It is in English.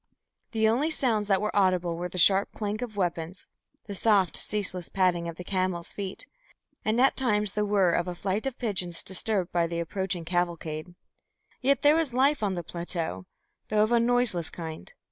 The only sounds that were audible were the sharp clank of weapons, the soft ceaseless padding of the camels' feet, and at times the whirr of a flight of pigeons disturbed by the approaching cavalcade. Yet there was life on the plateau, though of a noiseless kind.